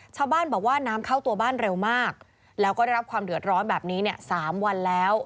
ชาวบ้านบอกว่าน้ำเข้าตัวบ้านเร็วมากแล้วก็ได้รับความเดือดร้อนแบบนี้เนี่ย๓วันแล้ว